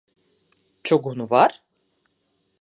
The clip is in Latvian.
Čugunu var?